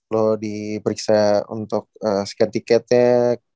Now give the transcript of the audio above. lo diperiksa untuk scan tiketnya